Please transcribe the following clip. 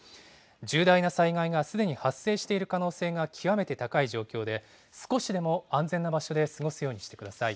重大な災害がすでに発生している可能性が極めて高い状況で、少しでも安全な場所で過ごすようにしてください。